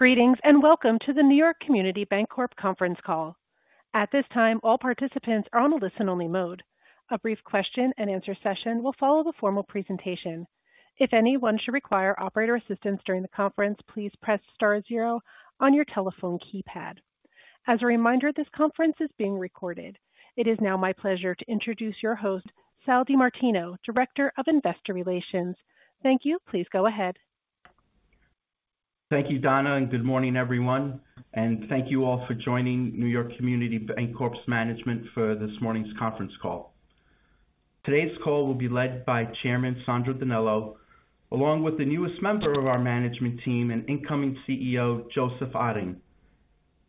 Greetings, and welcome to the New York Community Bancorp conference call. At this time, all participants are on a listen-only mode. A brief question-and-answer session will follow the formal presentation. If anyone should require operator assistance during the conference, please press star zero on your telephone keypad. As a reminder, this conference is being recorded. It is now my pleasure to introduce your host, Sal DiMartino, Director of Investor Relations. Thank you. Please go ahead. Thank you, Donna, and good morning, everyone, and thank you all for joining New York Community Bancorp's management for this morning's conference call. Today's call will be led by Chairman Sandro DiNello, along with the newest member of our management team and incoming CEO, Joseph Otting,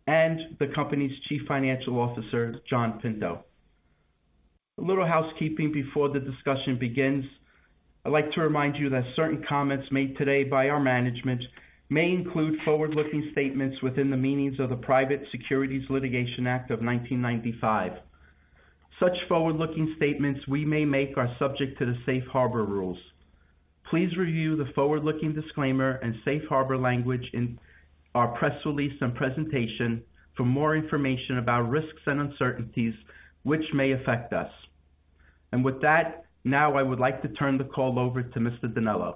and the company's Chief Financial Officer, John Pinto. A little housekeeping before the discussion begins. I'd like to remind you that certain comments made today by our management may include forward-looking statements within the meaning of the Private Securities Litigation Reform Act of 1995. Such forward-looking statements we may make are subject to the safe harbor rules. Please review the forward-looking disclaimer and safe harbor language in our press release and presentation for more information about risks and uncertainties which may affect us. And with that, now I would like to turn the call over to Mr. DiNello.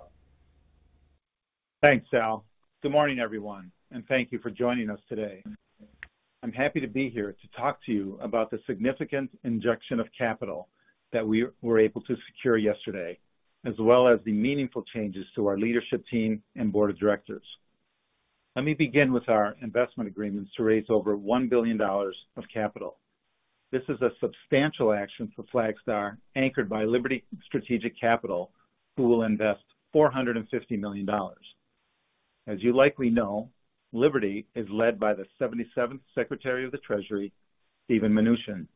Thanks, Sal. Good morning, everyone, and thank you for joining us today. I'm happy to be here to talk to you about the significant injection of capital that we were able to secure yesterday, as well as the meaningful changes to our leadership team and board of directors. Let me begin with our investment agreements to raise over $1 billion of capital. This is a substantial action for Flagstar, anchored by Liberty Strategic Capital, who will invest $450 million. As you likely know, Liberty is led by the 77th Secretary of the Treasury, Steven Mnuchin.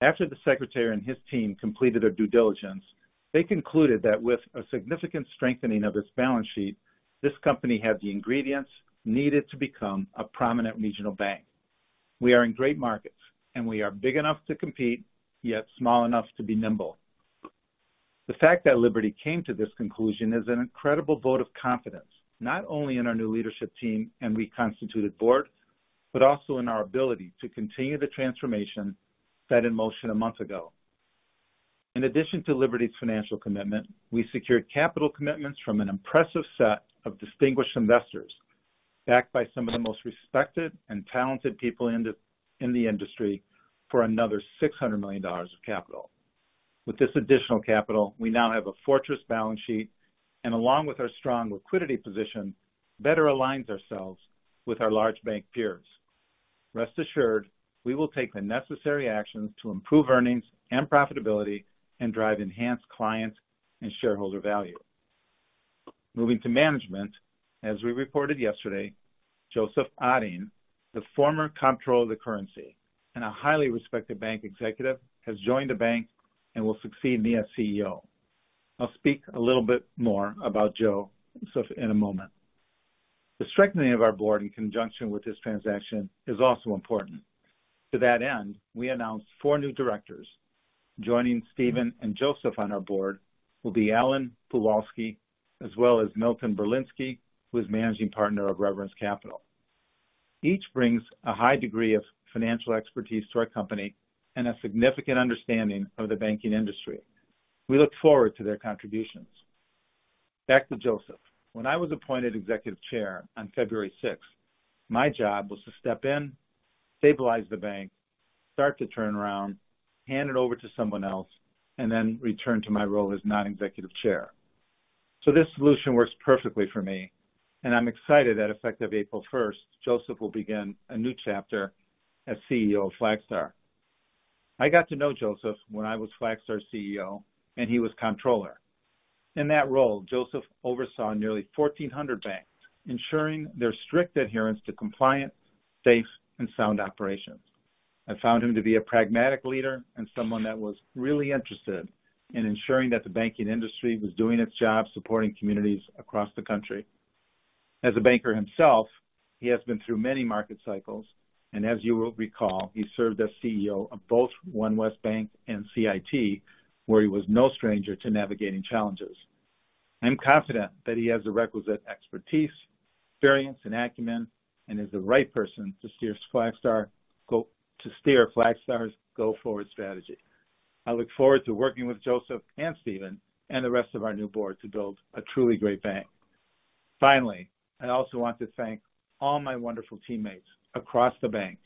After the Secretary and his team completed their due diligence, they concluded that with a significant strengthening of its balance sheet, this company had the ingredients needed to become a prominent regional bank. We are in great markets, and we are big enough to compete, yet small enough to be nimble. The fact that Liberty came to this conclusion is an incredible vote of confidence, not only in our new leadership team and reconstituted board, but also in our ability to continue the transformation set in motion a month ago. In addition to Liberty's financial commitment, we secured capital commitments from an impressive set of distinguished investors, backed by some of the most respected and talented people in the industry for another $600 million of capital. With this additional capital, we now have a fortress balance sheet, and along with our strong liquidity position, better aligns ourselves with our large bank peers. Rest assured, we will take the necessary actions to improve earnings and profitability and drive enhanced client and shareholder value. Moving to management, as we reported yesterday, Joseph Otting, the former Comptroller of the Currency and a highly respected bank executive, has joined the bank and will succeed me as CEO. I'll speak a little bit more about Joseph in a moment. The strengthening of our board in conjunction with this transaction is also important. To that end, we announced four new directors. Joining Steven and Joseph on our board will be Allen Puwalski, as well as Milton Berlinski, who is Managing Partner of Reverence Capital. Each brings a high degree of financial expertise to our company and a significant understanding of the banking industry. We look forward to their contributions. Back to Joseph. When I was appointed executive chair on February sixth, my job was to step in, stabilize the bank, start the turnaround, hand it over to someone else, and then return to my role as non-executive chair. So this solution works perfectly for me, and I'm excited that effective April first, Joseph will begin a new chapter as CEO of Flagstar. I got to know Joseph when I was Flagstar's CEO, and he was Comptroller. In that role, Joseph oversaw nearly 1,400 banks, ensuring their strict adherence to compliant, safe, and sound operations. I found him to be a pragmatic leader and someone that was really interested in ensuring that the banking industry was doing its job supporting communities across the country. As a banker himself, he has been through many market cycles, and as you will recall, he served as CEO of both OneWest Bank and CIT, where he was no stranger to navigating challenges. I'm confident that he has the requisite expertise, experience, and acumen, and is the right person to steer Flagstar's go-forward strategy. I look forward to working with Joseph and Steven and the rest of our new board to build a truly great bank. Finally, I also want to thank all my wonderful teammates across the bank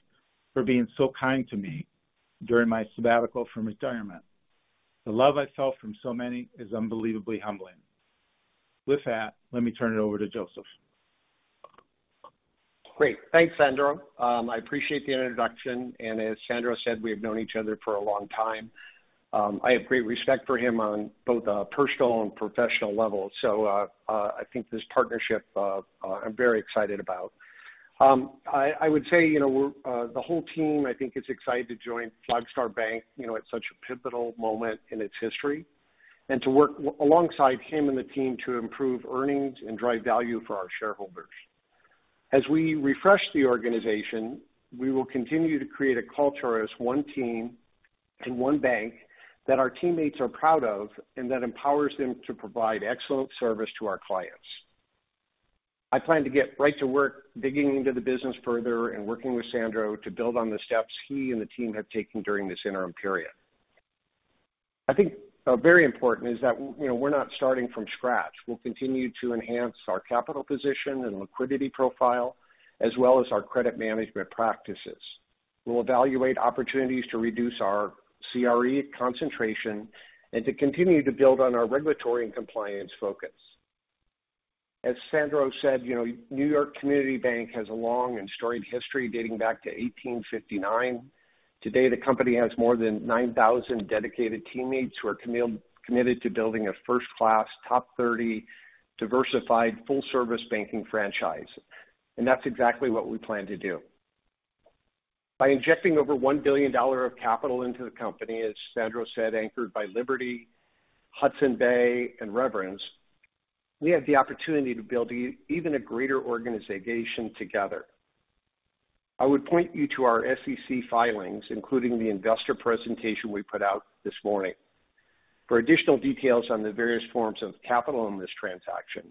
for being so kind to me during my sabbatical from retirement. The love I felt from so many is unbelievably humbling. With that, let me turn it over to Joseph. Great. Thanks, Sandro. I appreciate the introduction, and as Sandro said, we have known each other for a long time. I have great respect for him on both a personal and professional level, so, I think this partnership, I'm very excited about. I would say, you know, the whole team, I think, is excited to join Flagstar Bank, you know, at such a pivotal moment in its history, and to work alongside him and the team to improve earnings and drive value for our shareholders. As we refresh the organization, we will continue to create a culture as one team-... and one bank that our teammates are proud of and that empowers them to provide excellent service to our clients. I plan to get right to work, digging into the business further and working with Sandro to build on the steps he and the team have taken during this interim period. I think, very important is that, you know, we're not starting from scratch. We'll continue to enhance our capital position and liquidity profile, as well as our credit management practices. We'll evaluate opportunities to reduce our CRE concentration and to continue to build on our regulatory and compliance focus. As Sandro said, you know, New York Community Bank has a long and storied history dating back to 1859. Today, the company has more than 9,000 dedicated teamm ates who are committed to building a first-class, top 30, diversified, full-service banking franchise. That's exactly what we plan to do. By injecting over $1 billion of capital into the company, as Sandro said, anchored by Liberty, Hudson Bay and Reverence, we have the opportunity to build even a greater organization together. I would point you to our SEC filings, including the investor presentation we put out this morning, for additional details on the various forms of capital in this transaction.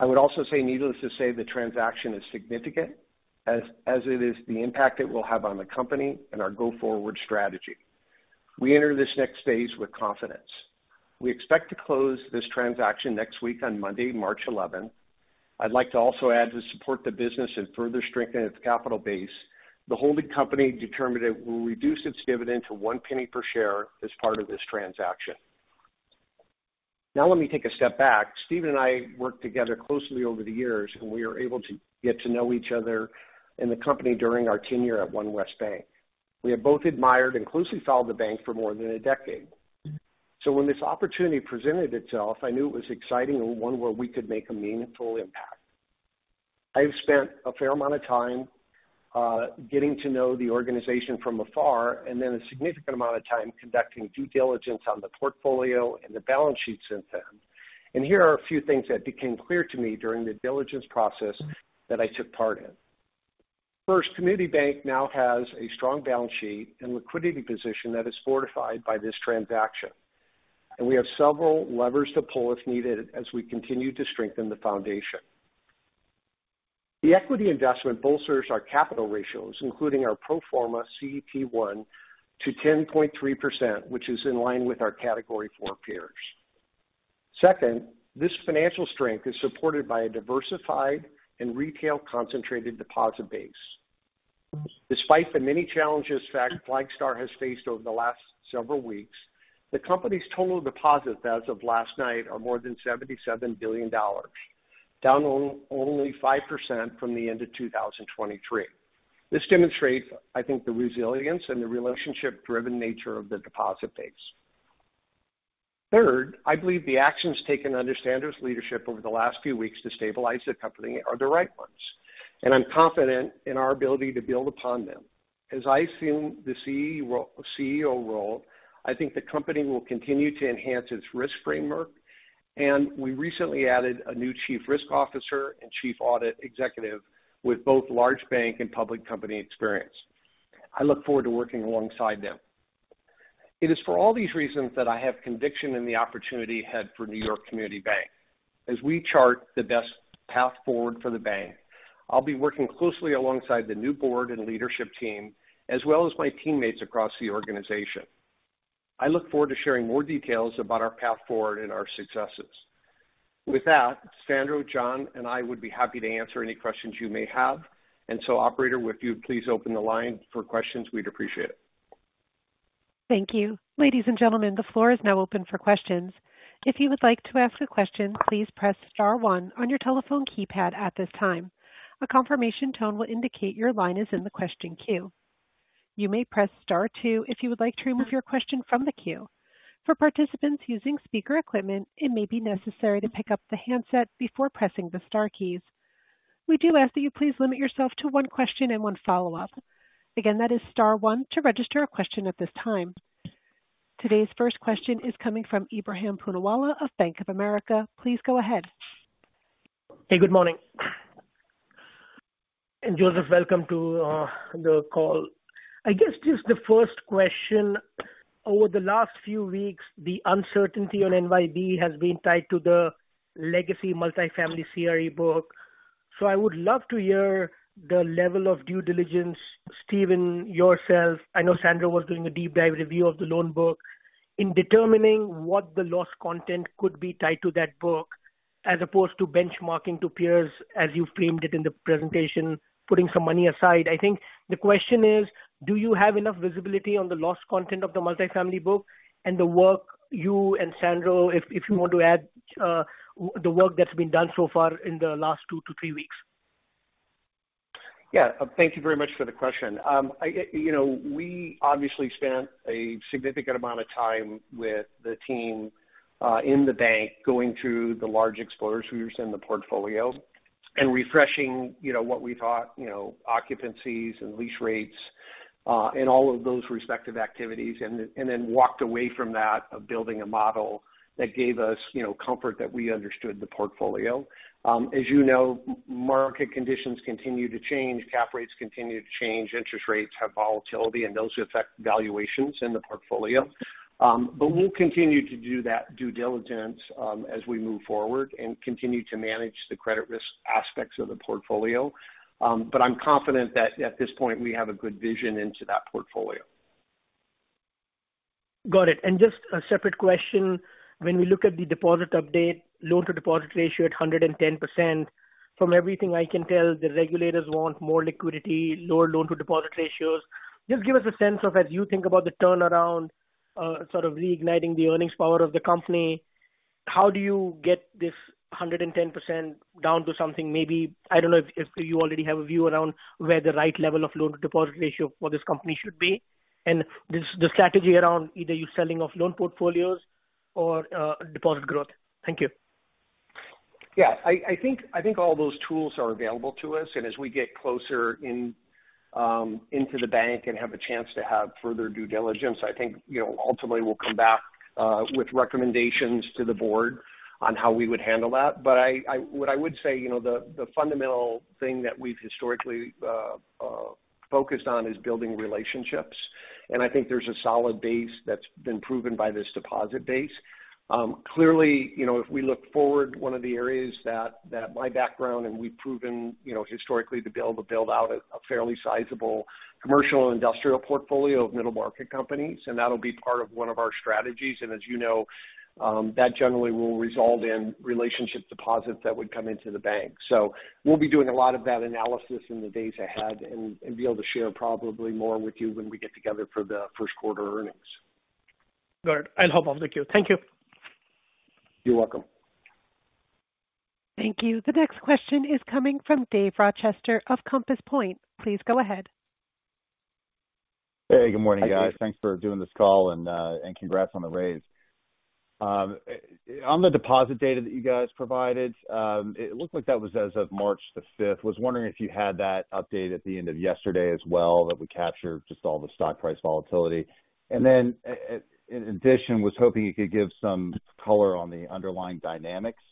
I would also say, needless to say, the transaction is significant as it is, the impact it will have on the company and our go-forward strategy. We enter this next phase with confidence. We expect to close this transaction next week on Monday, March 11. I'd like to also add, to support the business and further strengthen its capital base, the holding company determined it will reduce its dividend to $0.01 per share as part of this transaction. Now, let me take a step back. Steven and I worked together closely over the years, and we were able to get to know each other and the company during our tenure at OneWest Bank. We have both admired and closely followed the bank for more than a decade. So when this opportunity presented itself, I knew it was exciting and one where we could make a meaningful impact. I've spent a fair amount of time, getting to know the organization from afar, and then a significant amount of time conducting due diligence on the portfolio and the balance sheet since then. And here are a few things that became clear to me during the diligence process that I took part in. First, Community Bank now has a strong balance sheet and liquidity position that is fortified by this transaction, and we have several levers to pull if needed, as we continue to strengthen the foundation. The equity investment bolsters our capital ratios, including our pro forma CET1 to 10.3%, which is in line with our Category IV peers. Second, this financial strength is supported by a diversified and retail-concentrated deposit base. Despite the many challenges Flagstar has faced over the last several weeks, the company's total deposits as of last night are more than $77 billion, down only 5% from the end of 2023. This demonstrates, I think, the resilience and the relationship-driven nature of the deposit base. Third, I believe the actions taken under Sandro's leadership over the last few weeks to stabilize the company are the right ones, and I'm confident in our ability to build upon them. As I assume the CE role- CEO role, I think the company will continue to enhance its risk framework, and we recently added a new chief risk officer and chief audit executive with both large bank and public company experience. I look forward to working alongside them. It is for all these reasons that I have conviction in the opportunity ahead for New York Community Bank. As we chart the best path forward for the bank, I'll be working closely alongside the new board and leadership team, as well as my teammates across the organization. I look forward to sharing more details about our path forward and our successes. With that, Sandro, John, and I would be happy to answer any questions you may have. And so operator, would you please open the line for questions? We'd appreciate it. Thank you. Ladies and gentlemen, the floor is now open for questions. If you would like to ask a question, please press star one on your telephone keypad at this time. A confirmation tone will indicate your line is in the question queue. You may press star two if you would like to remove your question from the queue. For participants using speaker equipment, it may be necessary to pick up the handset before pressing the star keys. We do ask that you please limit yourself to one question and one follow-up. Again, that is star one to register a question at this time. Today's first question is coming from Ebrahim Poonawala of Bank of America. Please go ahead. Hey, good morning. Joseph, welcome to the call. I guess just the first question: over the last few weeks, the uncertainty on NYCB has been tied to the legacy multifamily CRE book. So I would love to hear the level of due diligence, Steven, yourself. I know Sandro was doing a deep dive review of the loan book, in determining what the loss content could be tied to that book, as opposed to benchmarking to peers, as you framed it in the presentation, putting some money aside. I think the question is: Do you have enough visibility on the loss content of the multifamily book and the work you and Sandro, if you want to add, the work that's been done so far in the last 2-3 weeks? Yeah. Thank you very much for the question. I, you know, we obviously spent a significant amount of time with the team, in the bank, going through the large exposures who were in the portfolio and refreshing, you know, what we thought, you know, occupancies and lease rates in all of those respective activities, and then, and then walked away from that of building a model that gave us, you know, comfort that we understood the portfolio. As you know, market conditions continue to change, cap rates continue to change, interest rates have volatility, and those affect valuations in the portfolio. But we'll continue to do that due diligence, as we move forward and continue to manage the credit risk aspects of the portfolio. But I'm confident that at this point, we have a good vision into that portfolio. Got it. Just a separate question. When we look at the deposit update, loan-to-deposit ratio at 110%, from everything I can tell, the regulators want more liquidity, lower loan-to-deposit ratios. Just give us a sense of, as you think about the turnaround, sort of reigniting the earnings power of the company, how do you get this 110% down to something maybe, I don't know if, if you already have a view around where the right level of loan-to-deposit ratio for this company should be, and the, the strategy around either you selling off loan portfolios or, deposit growth. Thank you. Yeah, I think all those tools are available to us, and as we get closer in, into the bank and have a chance to have further due diligence, I think, you know, ultimately we'll come back, with recommendations to the board on how we would handle that. But what I would say, you know, the fundamental thing that we've historically, focused on is building relationships, and I think there's a solid base that's been proven by this deposit base. Clearly, you know, if we look forward, one of the areas that my background and we've proven, you know, historically, to be able to build out a fairly sizable commercial and industrial portfolio of middle market companies, and that'll be part of one of our strategies. As you know, that generally will result in relationship deposits that would come into the bank. So we'll be doing a lot of that analysis in the days ahead and be able to share probably more with you when we get together for the first quarter earnings. Good. I'll hop off the queue. Thank you. You're welcome. Thank you. The next question is coming from Dave Rochester of Compass Point. Please go ahead. Hey, good morning, guys. Thanks for doing this call and congrats on the raise. On the deposit data that you guys provided, it looked like that was as of March the 5th. Was wondering if you had that update at the end of yesterday as well, that would capture just all the stock price volatility. And then in addition, was hoping you could give some color on the underlying dynamics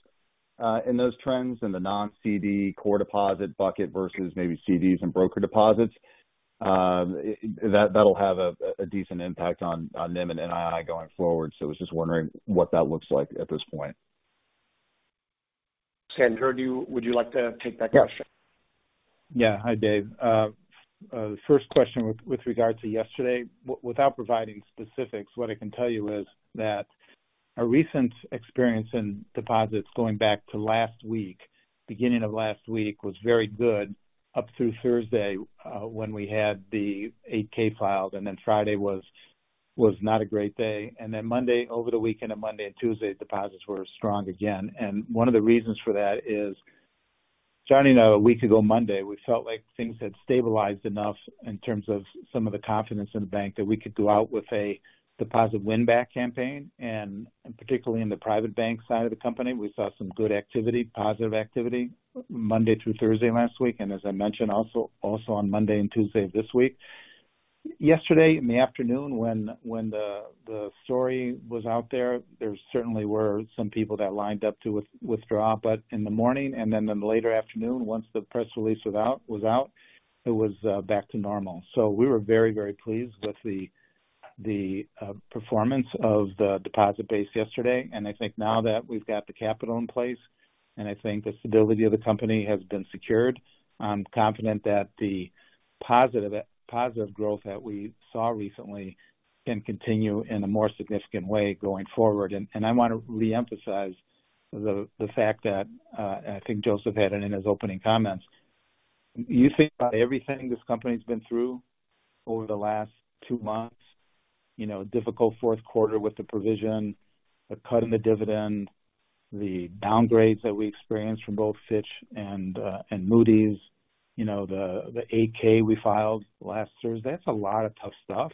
in those trends in the non-CD core deposit bucket versus maybe CDs and broker deposits. That'll have a decent impact on NIM and NII going forward. So I was just wondering what that looks like at this point. Sandro, would you like to take that question? Yeah. Hi, Dave. The first question with regard to yesterday, without providing specifics, what I can tell you is that our recent experience in deposits going back to last week, beginning of last week, was very good up through Thursday, when we had the 8-K filed, and then Friday was not a great day. And then Monday, over the weekend and Monday and Tuesday, deposits were strong again. And one of the reasons for that is, starting a week ago Monday, we felt like things had stabilized enough in terms of some of the confidence in the bank, that we could go out with a deposit win back campaign, and particularly in the private bank side of the company, we saw some good activity, positive activity, Monday through Thursday last week, and as I mentioned, also on Monday and Tuesday this week. Yesterday, in the afternoon when the story was out there, there certainly were some people that lined up to withdraw, but in the morning and then the later afternoon, once the press release was out, it was back to normal. So we were very, very pleased with the performance of the deposit base yesterday. And I think now that we've got the capital in place, and I think the stability of the company has been secured, I'm confident that the positive growth that we saw recently can continue in a more significant way going forward. And I want to reemphasize the fact that, and I think Joseph had it in his opening comments. You think about everything this company's been through over the last two months, you know, difficult fourth quarter with the provision, the cut in the dividend, the downgrades that we experienced from both Fitch and Moody's, you know, the 8-K we filed last Thursday. That's a lot of tough stuff,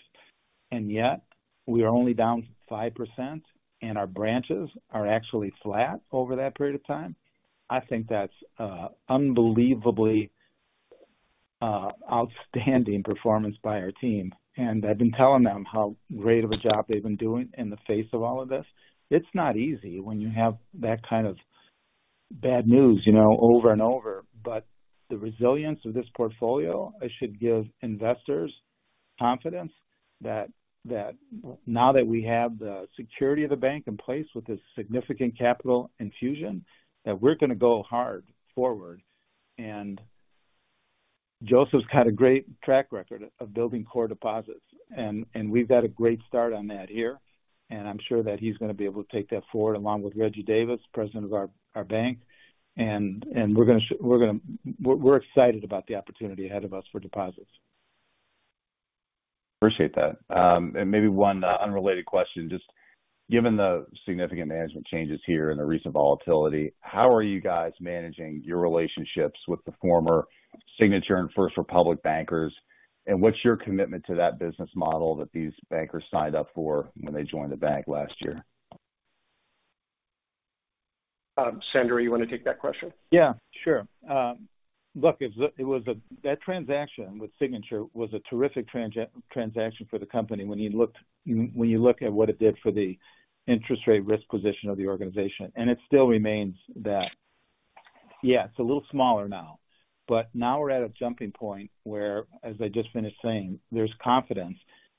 and yet we are only down 5%, and our branches are actually flat over that period of time. I think that's unbelievably outstanding performance by our team, and I've been telling them how great of a job they've been doing in the face of all of this. It's not easy when you have that kind of bad news, you know, over and over, but the resilience of this portfolio, it should give investors confidence that, now that we have the security of the bank in place with this significant capital infusion, that we're gonna go hard forward. And Joseph's got a great track record of building core deposits, and we've got a great start on that here, and I'm sure that he's gonna be able to take that forward, along with Reggie Davis, President of our bank. And we're excited about the opportunity ahead of us for deposits. Appreciate that. And maybe one unrelated question. Just given the significant management changes here and the recent volatility, how are you guys managing your relationships with the former Signature and First Republic bankers? And what's your commitment to that business model that these bankers signed up for when they joined the bank last year?... Sandro, you want to take that question? Yeah, sure. Look, it's, it was that transaction with Signature was a terrific transaction for the company when you looked, when you look at what it did for the interest rate risk position of the organization, and it still remains that. Yeah, it's a little smaller now, but now we're at a jumping point where, as I just finished saying, there's confidence.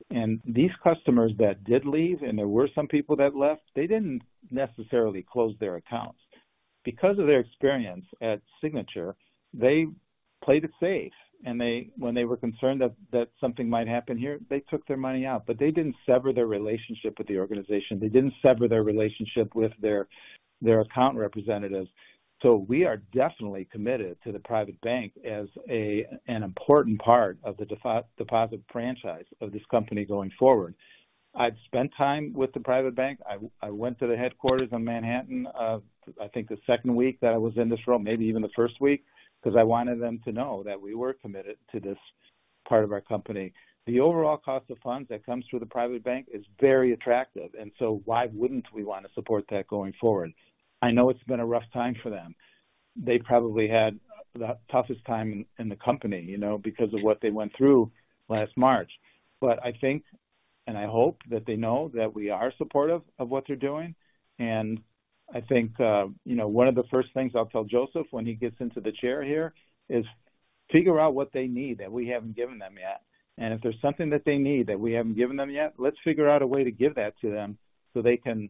And these customers that did leave, and there were some people that left, they didn't necessarily close their accounts. Because of their experience at Signature, they played it safe, and they, when they were concerned that something might happen here, they took their money out, but they didn't sever their relationship with the organization. They didn't sever their relationship with their account representatives. So we are definitely committed to the private bank as an important part of the deposit franchise of this company going forward. I've spent time with the private bank. I went to the headquarters in Manhattan. I think the second week that I was in this role, maybe even the first week, because I wanted them to know that we were committed to this part of our company. The overall cost of funds that comes through the private bank is very attractive, and so why wouldn't we want to support that going forward? I know it's been a rough time for them. They probably had the toughest time in the company, you know, because of what they went through last March. But I think, and I hope that they know that we are supportive of what they're doing. And I think, you know, one of the first things I'll tell Joseph when he gets into the chair here is figure out what they need that we haven't given them yet. And if there's something that they need that we haven't given them yet, let's figure out a way to give that to them so they can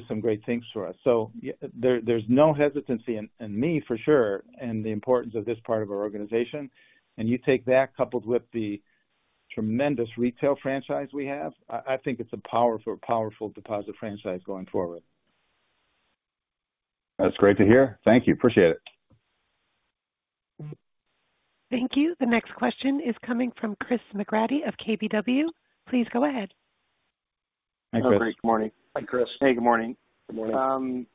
do some great things for us. So there, there's no hesitancy in me for sure, in the importance of this part of our organization. And you take that, coupled with the tremendous retail franchise we have, I think it's a powerful, powerful deposit franchise going forward. That's great to hear. Thank you. Appreciate it. Thank you. The next question is coming from Chris McGratty of KBW. Please go ahead. Hi, Chris. Great morning. Hi, Chris. Hey, good morning. Good morning.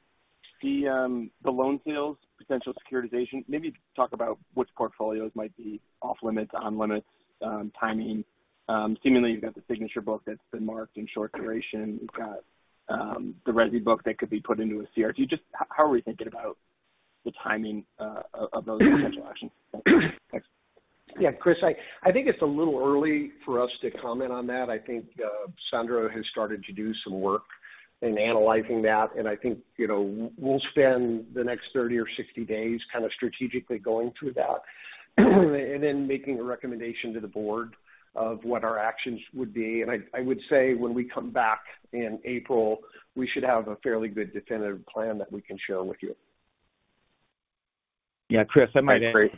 The loan sales, potential securitization, maybe talk about which portfolios might be off limits, on limits, timing. Seemingly, you've got the Signature book that's been marked in short duration. You've got the resi book that could be put into a CRD. Just how are we thinking about the timing of those potential actions? Thanks. Yeah, Chris, I think it's a little early for us to comment on that. I think Sandro has started to do some work in analyzing that, and I think, you know, we'll spend the next 30 or 60 days kind of strategically going through that, and then making a recommendation to the board of what our actions would be. And I would say when we come back in April, we should have a fairly good definitive plan that we can share with you. Yeah, Chris, I might add- That's great.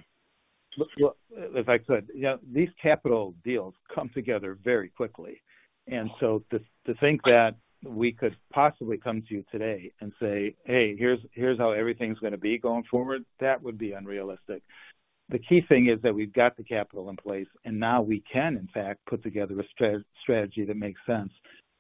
If I could. Yeah, these capital deals come together very quickly, and so to, to think that we could possibly come to you today and say, "Hey, here's, here's how everything's going to be going forward," that would be unrealistic. The key thing is that we've got the capital in place, and now we can, in fact, put together a strategy that makes sense.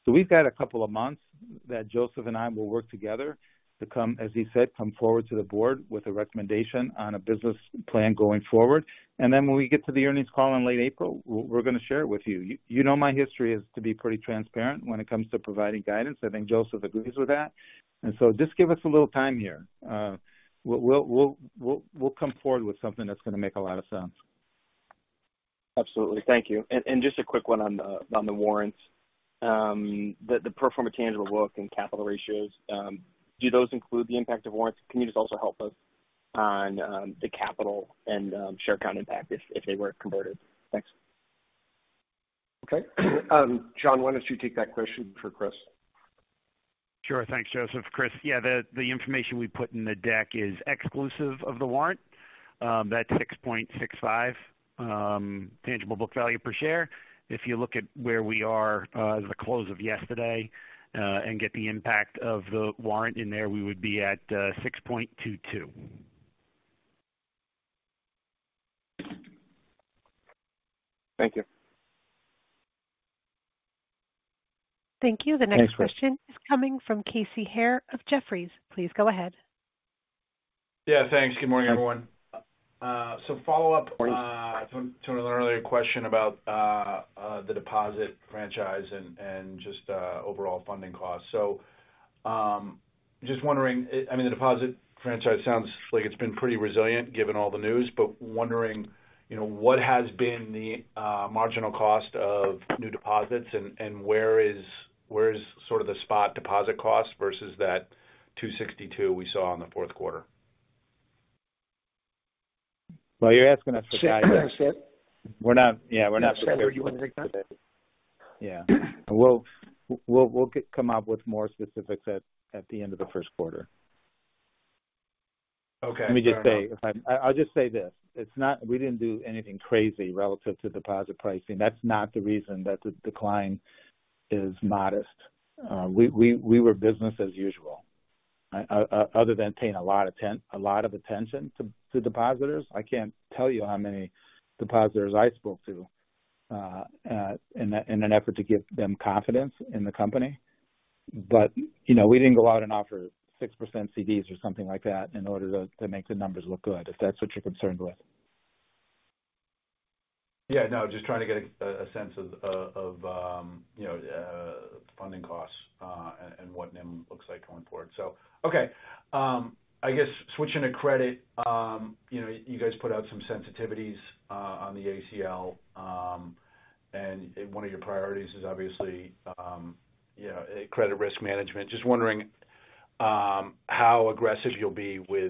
So we've got a couple of months that Joseph and I will work together to come, as he said, come forward to the board with a recommendation on a business plan going forward. And then when we get to the earnings call in late April, we're going to share it with you. You know my history is to be pretty transparent when it comes to providing guidance. I think Joseph agrees with that. And so just give us a little time here. We'll come forward with something that's going to make a lot of sense. Absolutely. Thank you. And just a quick one on the warrants. The pro forma tangible book and capital ratios, do those include the impact of warrants? Can you just also help us on the capital and share count impact if they were converted? Thanks. Okay. John, why don't you take that question for Chris? Sure. Thanks, Joseph. Chris, yeah, the information we put in the deck is exclusive of the warrant, that $6.65 tangible book value per share. If you look at where we are at the close of yesterday and get the impact of the warrant in there, we would be at $6.22. Thank you. Thank you. Thanks. The next question is coming from Casey Haire of Jefferies. Please go ahead. Yeah, thanks. Good morning, everyone. So follow up- Good morning. To an earlier question about the deposit franchise and just overall funding costs. So, just wondering, I mean, the deposit franchise sounds like it's been pretty resilient given all the news, but wondering, you know, what has been the marginal cost of new deposits and where is—where is sort of the spot deposit cost versus that 2.62% we saw in the fourth quarter? Well, you're asking us- Say it again, Seth. Yeah, we're not. Sandro, you want to take that? Yeah. We'll come up with more specifics at the end of the first quarter. Okay. Let me just say, I'll just say this, it's not. We didn't do anything crazy relative to deposit pricing. That's not the reason that the decline is modest. We were business as usual, other than paying a lot of attention to depositors. I can't tell you how many depositors I spoke to in an effort to give them confidence in the company. But, you know, we didn't go out and offer 6% CDs or something like that in order to make the numbers look good, if that's what you're concerned with.... Yeah, no, just trying to get a sense of, you know, funding costs, and what NIM looks like going forward. So, okay. I guess switching to credit, you know, you guys put out some sensitivities on the ACL, and one of your priorities is obviously, you know, credit risk management. Just wondering how aggressive you'll be with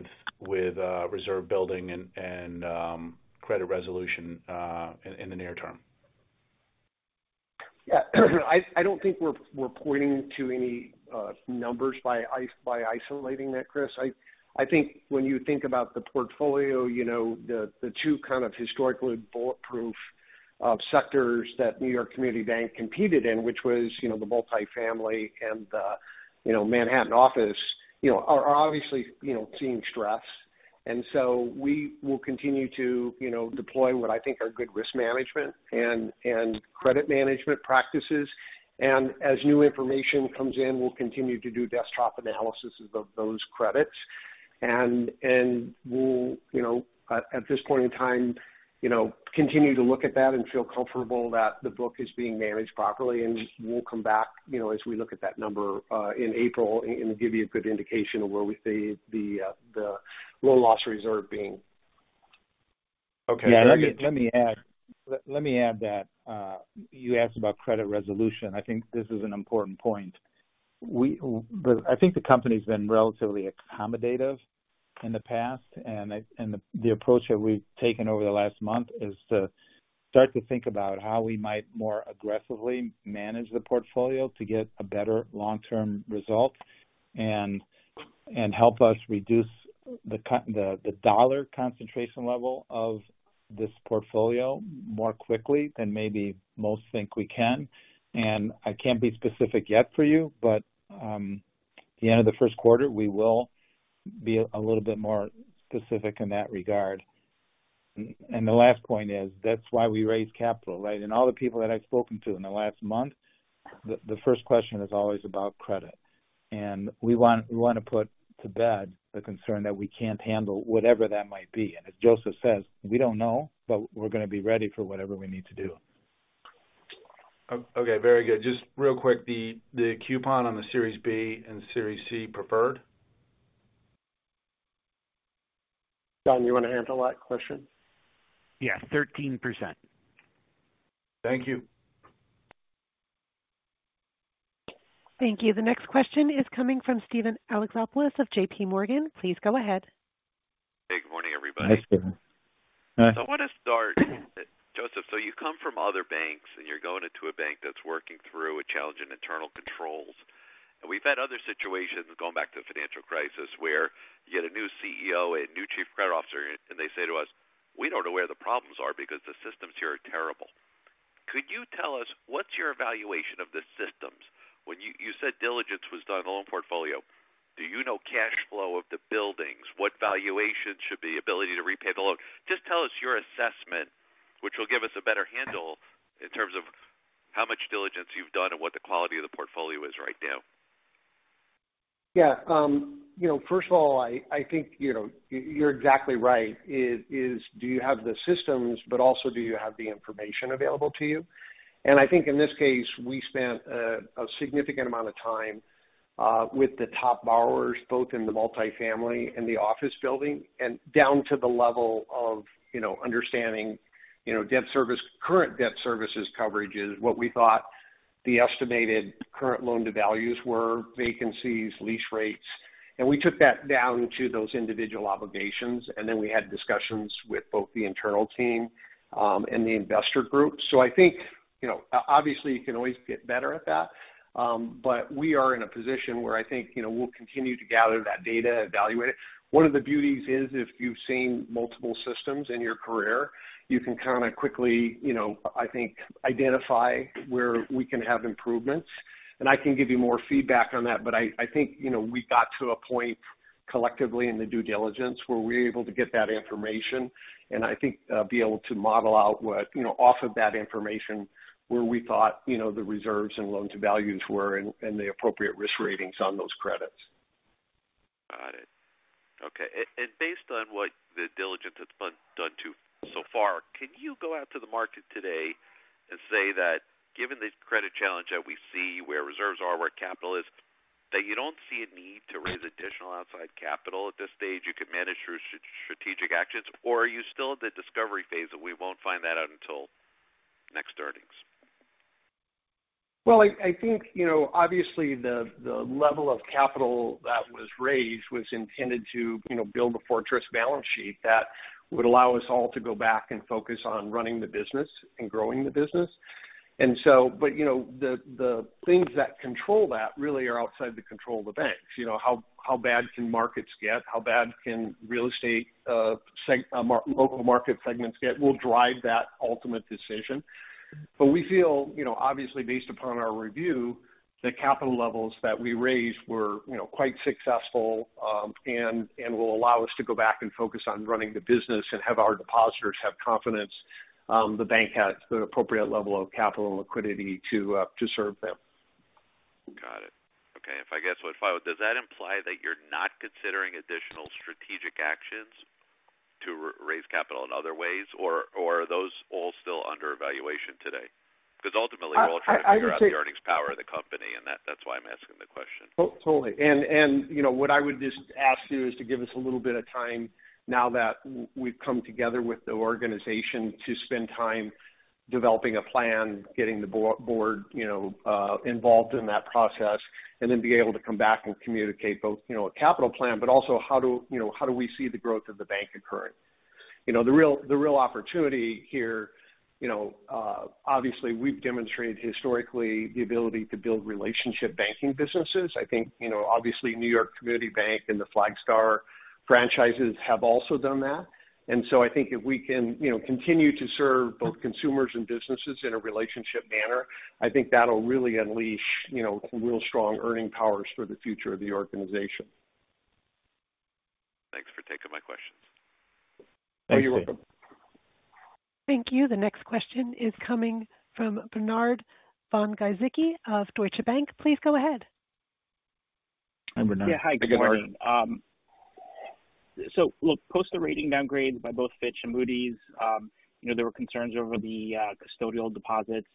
reserve building and credit resolution in the near term? Yeah. I don't think we're pointing to any numbers by isolating that, Chris. I think when you think about the portfolio, you know, the two kind of historically bulletproof sectors that New York Community Bank competed in, which was, you know, the multifamily and the, you know, Manhattan office, you know, are obviously, you know, seeing stress. And so we will continue to, you know, deploy what I think are good risk management and credit management practices. And as new information comes in, we'll continue to do desktop analyses of those credits. We'll, you know, at this point in time, you know, continue to look at that and feel comfortable that the book is being managed properly, and we'll come back, you know, as we look at that number in April and give you a good indication of where we see the loan loss reserve being. Okay. Yeah. Let me, let me add, let me add that, you asked about credit resolution. I think this is an important point. We, but I think the company's been relatively accommodative in the past, and I, and the approach that we've taken over the last month is to start to think about how we might more aggressively manage the portfolio to get a better long-term result and, and help us reduce the concentration level of this portfolio more quickly than maybe most think we can. And I can't be specific yet for you, but, the end of the first quarter, we will be a little bit more specific in that regard. And the last point is, that's why we raised capital, right? And all the people that I've spoken to in the last month, the, the first question is always about credit. And we want, we want to put to bed the concern that we can't handle whatever that might be. And as Joseph says, we don't know, but we're gonna be ready for whatever we need to do. Okay, very good. Just real quick, the coupon on the Series B and Series C preferred? John, you want to answer that question? Yeah, 13%. Thank you. Thank you. The next question is coming from Steven Alexopoulos of J.P. Morgan. Please go ahead. Hey, good morning, everybody. Hi, Steven. I want to start, Joseph, so you come from other banks, and you're going into a bank that's working through a challenge in internal controls. We've had other situations going back to the financial crisis, where you get a new CEO and new chief credit officer, and they say to us, "We don't know where the problems are because the systems here are terrible." Could you tell us what's your evaluation of the systems? When you said diligence was done on loan portfolio. Do you know cash flow of the buildings? What valuations should the ability to repay the loan? Just tell us your assessment, which will give us a better handle in terms of how much diligence you've done and what the quality of the portfolio is right now. Yeah. You know, first of all, I, I think, you know, you're exactly right. It is do you have the systems, but also do you have the information available to you? And I think in this case, we spent a significant amount of time with the top borrowers, both in the multifamily and the office building, and down to the level of, you know, understanding, you know, debt service, current debt services coverages, what we thought the estimated current loan to values were, vacancies, lease rates. And we took that down to those individual obligations, and then we had discussions with both the internal team and the investor group. So I think, you know, obviously, you can always get better at that, but we are in a position where I think, you know, we'll continue to gather that data and evaluate it. One of the beauties is if you've seen multiple systems in your career, you can kind of quickly, you know, I think, identify where we can have improvements. I can give you more feedback on that, but I think, you know, we got to a point collectively in the due diligence where we were able to get that information and I think, be able to model out what, you know, off of that information, where we thought, you know, the reserves and loan to values were and the appropriate risk ratings on those credits. Got it. Okay. And based on what the diligence that's been done so far, can you go out to the market today and say that given the credit challenge that we see, where reserves are, where capital is, that you don't see a need to raise additional outside capital at this stage, you can manage your strategic actions, or are you still at the discovery phase, and we won't find that out until next earnings? Well, I think, you know, obviously the level of capital that was raised was intended to, you know, build a fortress balance sheet that would allow us all to go back and focus on running the business and growing the business. But, you know, the things that control that really are outside the control of the banks. You know, how bad can markets get? How bad can real estate local market segments get, will drive that ultimate decision. But we feel, you know, obviously based upon our review, the capital levels that we raised were, you know, quite successful, and will allow us to go back and focus on running the business and have our depositors have confidence the bank has the appropriate level of capital and liquidity to serve them.... Got it. Okay, if I guess what follows, does that imply that you're not considering additional strategic actions to raise capital in other ways, or are those all still under evaluation today? Because ultimately, we're all trying to figure out the earnings power of the company, and that's why I'm asking the question. Oh, totally. And, you know, what I would just ask you is to give us a little bit of time now that we've come together with the organization to spend time developing a plan, getting the board, you know, involved in that process, and then be able to come back and communicate both, you know, a capital plan, but also how do, you know, how do we see the growth of the bank occurring? You know, the real, the real opportunity here, you know, obviously, we've demonstrated historically the ability to build relationship banking businesses. I think, you know, obviously, New York Community Bank and the Flagstar franchises have also done that. And so I think if we can, you know, continue to serve both consumers and businesses in a relationship manner, I think that'll really unleash, you know, real strong earning powers for the future of the organization. Thanks for taking my questions. Oh, you're welcome. Thank you. The next question is coming from Bernard von Gizycki of Deutsche Bank. Please go ahead. Hi, Bernard. Yeah. Hi, good morning. So look, post the rating downgrade by both Fitch and Moody's, you know, there were concerns over the custodial deposits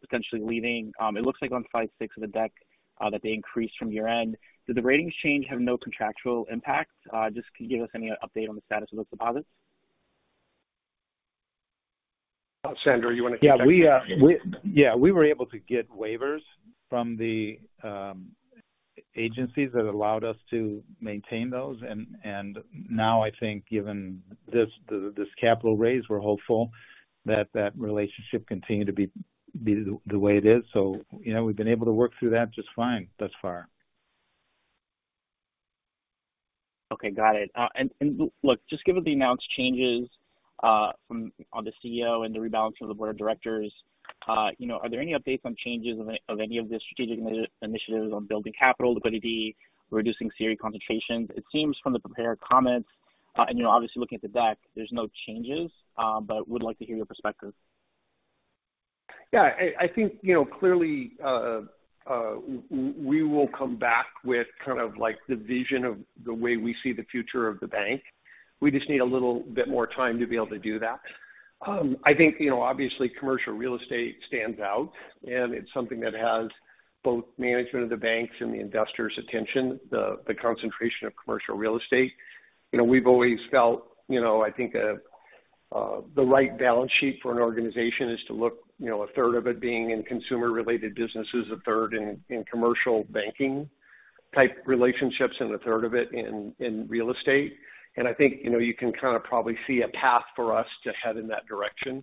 potentially leaving. It looks like on slide six of the deck that they increased from year-end. Did the ratings change have no contractual impact? Just can you give us any update on the status of those deposits? Sandro, you want to take that? Yeah, we were able to get waivers from the agencies that allowed us to maintain those. And now I think given this capital raise, we're hopeful that that relationship continue to be the way it is. So, you know, we've been able to work through that just fine thus far. Okay, got it. And look, just given the announced changes from the CEO and the rebalance of the board of directors, you know, are there any updates on changes of any of the strategic initiatives on building capital liquidity, reducing CRE concentrations? It seems from the prepared comments, and, you know, obviously looking at the deck, there's no changes, but would like to hear your perspective. Yeah, I think, you know, clearly, we will come back with kind of like the vision of the way we see the future of the bank. We just need a little bit more time to be able to do that. I think, you know, obviously, commercial real estate stands out, and it's something that has both management of the banks and the investors' attention, the concentration of commercial real estate. You know, we've always felt, you know, I think, the right balance sheet for an organization is to look, you know, a third of it being in consumer-related businesses, a third in commercial banking-type relationships, and a third of it in real estate. I think, you know, you can kind of probably see a path for us to head in that direction,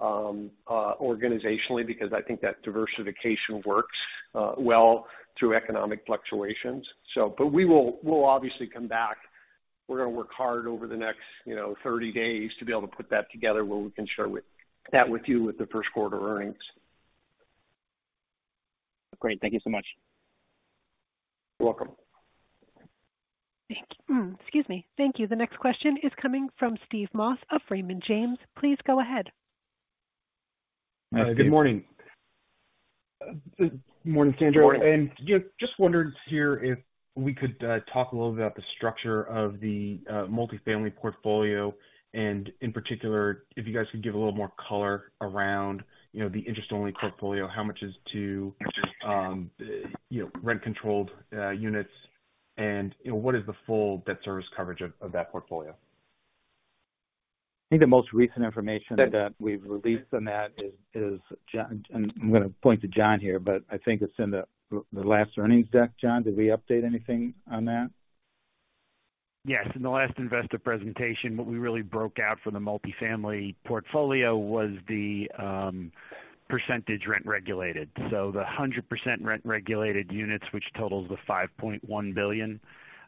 organizationally, because I think that diversification works well through economic fluctuations. So, but we will, we'll obviously come back. We're going to work hard over the next, you know, 30 days to be able to put that together, where we can share that with you with the first quarter earnings. Great. Thank you so much. You're welcome. Thank you. Excuse me. Thank you. The next question is coming from Steve Moss of Raymond James. Please go ahead. Hi, Steve. Good morning. Good morning, Sandro. Good morning. You know, just wondered here if we could talk a little about the structure of the multifamily portfolio, and in particular, if you guys could give a little more color around, you know, the interest-only portfolio, how much is to, you know, rent-controlled units, and, you know, what is the full debt service coverage of that portfolio? I think the most recent information that we've released on that is John—and I'm going to point to John here, but I think it's in the last earnings deck. John, did we update anything on that? Yes, in the last investor presentation, what we really broke out for the multifamily portfolio was the percentage rent regulated. So the 100% rent regulated units, which totals the $5.1 billion,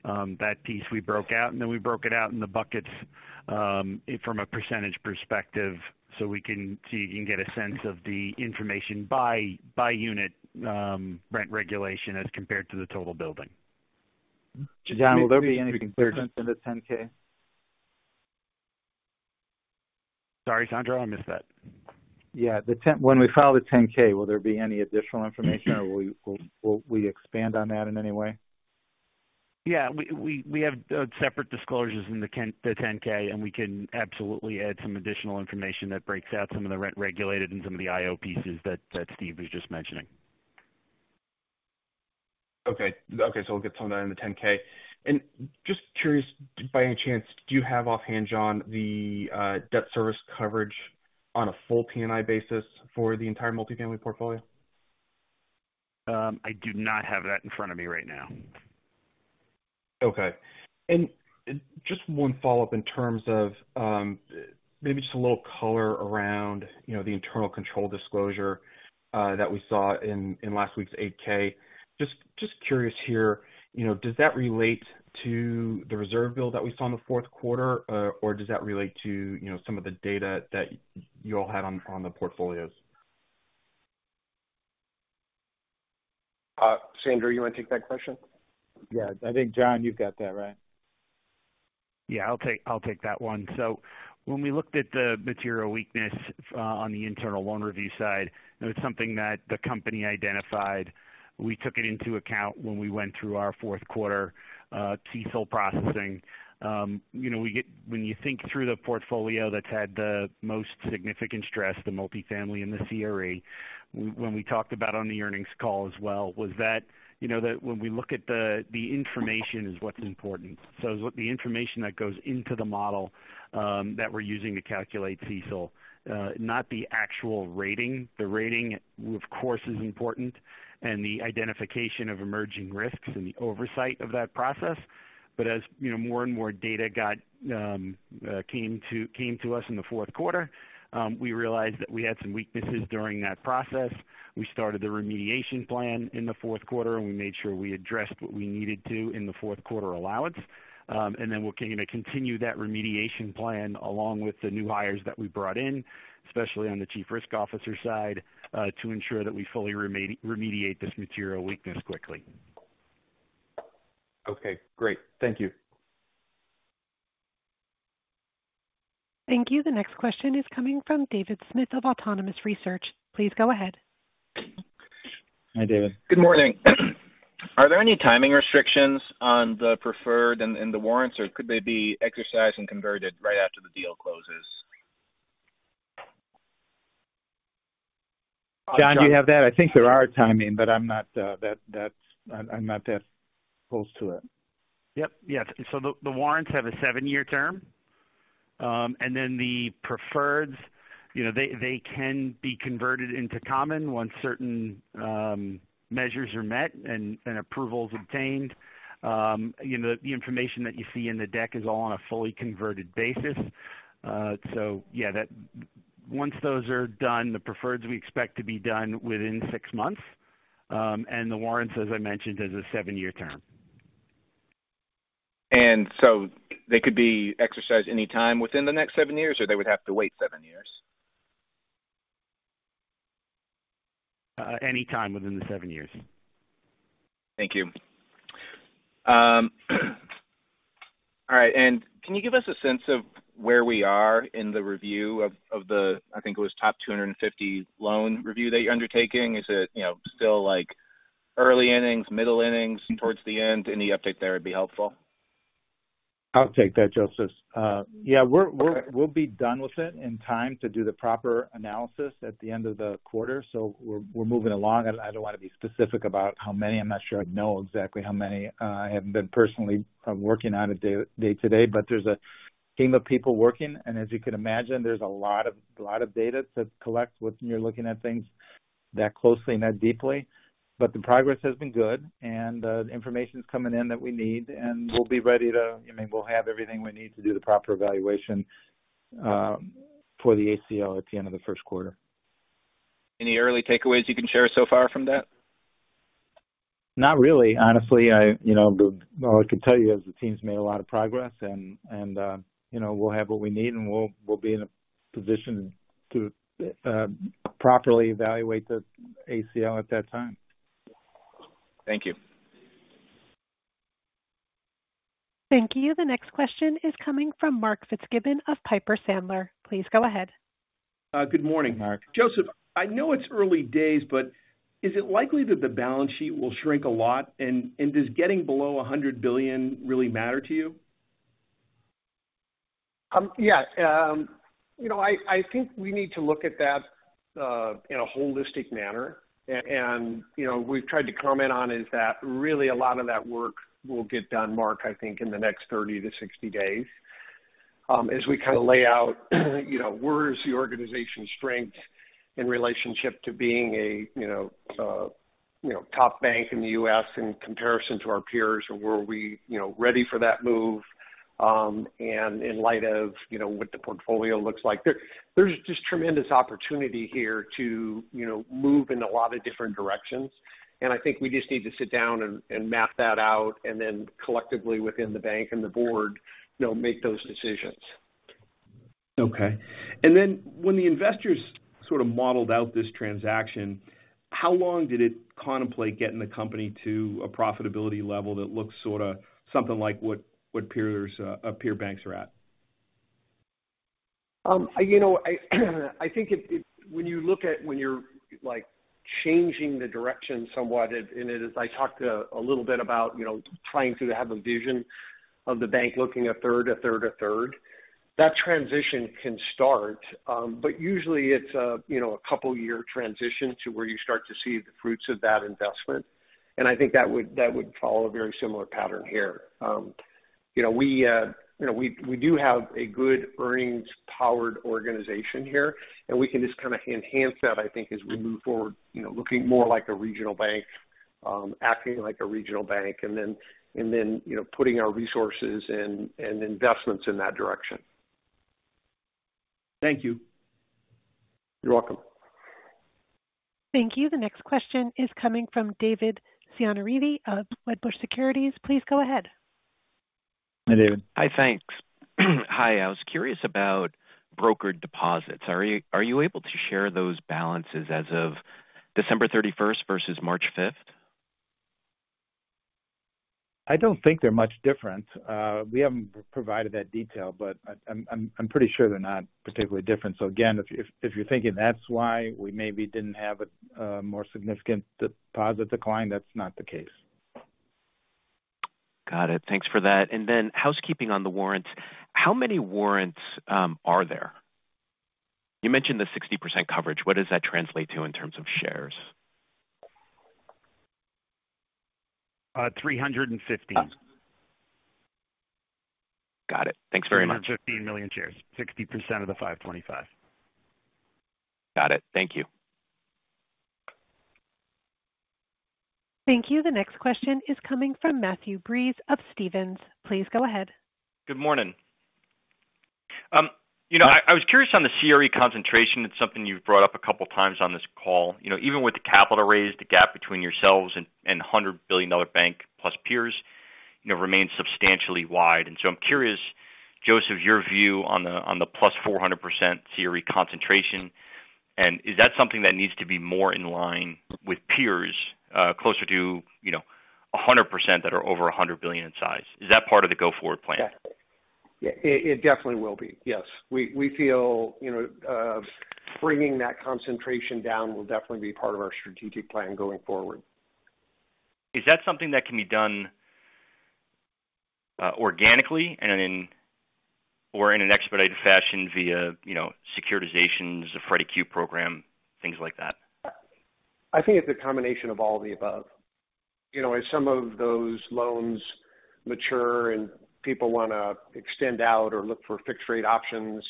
that piece we broke out, and then we broke it out in the buckets, from a percentage perspective, so we can see, you can get a sense of the information by unit, rent regulation as compared to the total building. John, will there be anything different in the 10-K? Sorry, Sandro, I missed that. Yeah, the 10-K, when we file the 10-K, will there be any additional information, or will we expand on that in any way? Yeah, we have separate disclosures in the 10-K, and we can absolutely add some additional information that breaks out some of the rent-regulated and some of the IO pieces that Steve was just mentioning. Okay. Okay, so we'll get some of that in the 10-K. And just curious, by any chance, do you have offhand, John, the debt service coverage on a full P&I basis for the entire multifamily portfolio? I do not have that in front of me right now. Okay. Just one follow-up in terms of maybe just a little color around, you know, the internal control disclosure that we saw in last week's 8-K. Just curious here, you know, does that relate to the reserve build that we saw in the fourth quarter or does that relate to, you know, some of the data that you all had on the portfolios? Sandro, you want to take that question? Yeah, I think, John, you've got that, right?... Yeah, I'll take, I'll take that one. So when we looked at the material weakness on the internal loan review side, and it's something that the company identified, we took it into account when we went through our fourth quarter CECL processing. You know, when you think through the portfolio that's had the most significant stress, the multifamily and the CRE, when we talked about on the earnings call as well, was that, you know, that when we look at the information is what's important. So what the information that goes into the model that we're using to calculate CECL not the actual rating. The rating, of course, is important, and the identification of emerging risks and the oversight of that process. But as, you know, more and more data got, came to us in the fourth quarter, we realized that we had some weaknesses during that process. We started the remediation plan in the fourth quarter, and we made sure we addressed what we needed to in the fourth quarter allowance. And then we're gonna continue that remediation plan along with the new hires that we brought in, especially on the chief risk officer side, to ensure that we fully remediate this material weakness quickly. Okay, great. Thank you. Thank you. The next question is coming from David Smith of Autonomous Research. Please go ahead. Hi, David. Good morning. Are there any timing restrictions on the preferred and the warrants, or could they be exercised and converted right after the deal closes? John, do you have that? I think there are timing, but I'm not that close to it. Yep. Yes. So the warrants have a 7-year term. And then the preferreds, you know, they can be converted into common once certain measures are met and approvals obtained. You know, the information that you see in the deck is all on a fully converted basis. So yeah, that ... Once those are done, the preferreds we expect to be done within 6 months. And the warrants, as I mentioned, is a 7-year term. They could be exercised anytime within the next seven years, or they would have to wait seven years? Anytime within the seven years. Thank you. All right, and can you give us a sense of where we are in the review of the, I think it was top 250 loan review that you're undertaking? Is it, you know, still like early innings, middle innings, towards the end? Any update there would be helpful. I'll take that, Joseph. Yeah, we're, we'll be done with it in time to do the proper analysis at the end of the quarter, so we're moving along. I don't want to be specific about how many. I'm not sure I'd know exactly how many. I haven't been personally kind of working on it day-to-day, but there's a team of people working, and as you can imagine, there's a lot of data to collect when you're looking at things that closely and that deeply. But the progress has been good, and the information's coming in that we need, and we'll be ready to, I mean, we'll have everything we need to do the proper evaluation for the ACL at the end of the first quarter. Any early takeaways you can share so far from that? Not really. Honestly, I, you know, all I can tell you is the team's made a lot of progress and, and, you know, we'll have what we need, and we'll, we'll be in a position to, properly evaluate the ACL at that time. Thank you. Thank you. The next question is coming from Mark Fitzgibbon of Piper Sandler. Please go ahead. Good morning. Mark. Joseph, I know it's early days, but is it likely that the balance sheet will shrink a lot, and does getting below $100 billion really matter to you? Yes. You know, I, I think we need to look at that in a holistic manner. You know, we've tried to comment on. Is that really a lot of that work will get done, Mark, I think in the next 30-60 days. As we kind of lay out, you know, where is the organization's strength in relationship to being a you know you know top bank in the U.S. in comparison to our peers? Or were we, you know, ready for that move? And in light of, you know, what the portfolio looks like, there, there's just tremendous opportunity here to, you know, move in a lot of different directions. And I think we just need to sit down and, and map that out, and then collectively within the bank and the board, you know, make those decisions. Okay. And then when the investors sort of modeled out this transaction, how long did it contemplate getting the company to a profitability level that looks sorta something like what peer banks are at? You know, I think it, when you look at when you're, like, changing the direction somewhat, and as I talked a little bit about, you know, trying to have a vision of the bank looking a third, a third, a third. That transition can start, but usually it's a, you know, a couple year transition to where you start to see the fruits of that investment. And I think that would follow a very similar pattern here. You know, we do have a good earnings-powered organization here, and we can just kind of enhance that, I think, as we move forward, you know, looking more like a regional bank, acting like a regional bank, and then, you know, putting our resources and investments in that direction. Thank you. You're welcome. Thank you. The next question is coming from David Chiaverini of Wedbush Securities. Please go ahead. Hi, David. Hi, thanks. Hi, I was curious about brokered deposits. Are you, are you able to share those balances as of December thirty-first versus March fifth?... I don't think they're much different. We haven't provided that detail, but I'm pretty sure they're not particularly different. So again, if you're thinking that's why we maybe didn't have a more significant deposit decline, that's not the case. Got it. Thanks for that. And then housekeeping on the warrants. How many warrants are there? You mentioned the 60% coverage. What does that translate to in terms of shares? 315. Got it. Thanks very much. 315 million shares, 60% of the 525. Got it. Thank you. Thank you. The next question is coming from Matthew Breese of Stephens. Please go ahead. Good morning. You know, I was curious on the CRE concentration. It's something you've brought up a couple of times on this call. You know, even with the capital raise, the gap between yourselves and $100 billion dollar bank plus peers, you know, remains substantially wide. And so I'm curious, Joseph, your view on the +400% CRE concentration, and is that something that needs to be more in line with peers, closer to, you know, 100% that are over $100 billion in size? Is that part of the go-forward plan? Yeah, it definitely will be. Yes. We feel, you know, bringing that concentration down will definitely be part of our strategic plan going forward. Is that something that can be done organically or in an expedited fashion via, you know, securitizations, the Freddie K program, things like that? I think it's a combination of all the above. You know, as some of those loans mature and people wanna extend out or look for fixed-rate options,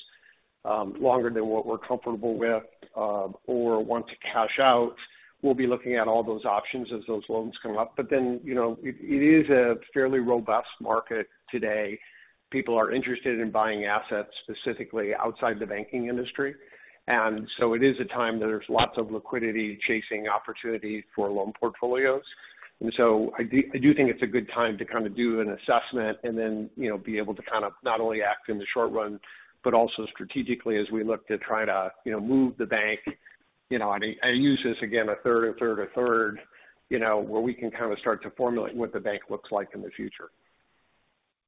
longer than what we're comfortable with, or want to cash out, we'll be looking at all those options as those loans come up. But then, you know, it is a fairly robust market today. People are interested in buying assets, specifically outside the banking industry, and so it is a time that there's lots of liquidity chasing opportunity for loan portfolios. And so I do think it's a good time to kind of do an assessment and then, you know, be able to kind of not only act in the short run, but also strategically as we look to try to, you know, move the bank. You know, and I use this again, a third, a third, a third, you know, where we can kind of start to formulate what the bank looks like in the future.